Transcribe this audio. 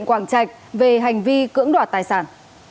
quảng trạch về hành vi cưỡng đoạt tài sản